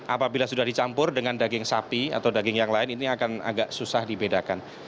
apabila sudah dicampur dengan daging sapi atau daging yang lain ini akan agak susah dibedakan